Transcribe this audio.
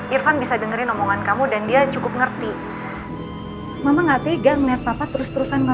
irfan bisa dengerin omongan kamu dan dia cukup ngerti mama gak tegang netpa terus terusan baby